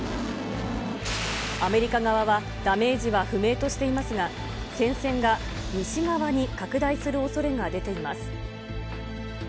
アメリカ側はダメージは不明としていますが、戦線が西側に拡大するおそれが出ています。